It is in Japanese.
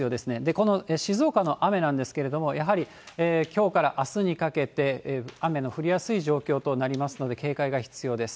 この静岡の雨なんですけれども、やはり、きょうからあすにかけて、雨の降りやすい状況となりますので、警戒が必要です。